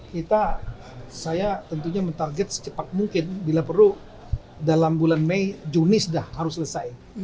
kita saya tentunya mentarget secepat mungkin bila perlu dalam bulan mei juni sudah harus selesai